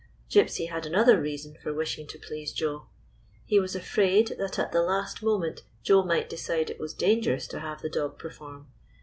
Gypsy had another reason for wishing to please Joe. He was afraid that at the last mo ment Joe might decide it was dangerous to have the dog perform.